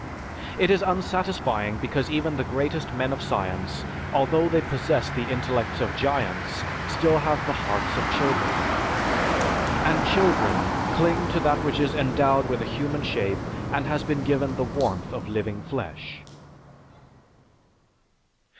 It is unsatisfying because even the greatest men of science, although they possess the intellects of giants, have still the hearts of children. And children cling to that which is endowed with a human shape and has been given the warmth of living flesh.